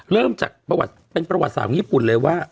เริ่มจากประวัติเป็นประวัติศาสตร์ของญี่ปุ่นเลยว่า